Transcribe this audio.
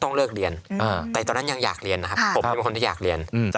ต้องเลิกเรียนแต่ตอนนั้นยังอยากเรียนนะครับผมเป็นคนที่อยากเรียน